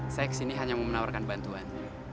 saya kesini hanya menawarkan bantuan